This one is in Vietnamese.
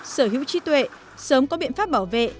sở hữu trí tuệ sớm có biện pháp bảo vệ